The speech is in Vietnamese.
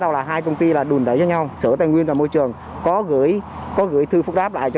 đầu là hai công ty là đùn đáy với nhau sở tài nguyên và môi trường có gửi thư phức đáp lại cho